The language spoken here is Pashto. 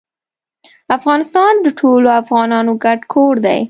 افغانستان د ټولو افغانانو ګډ کور دی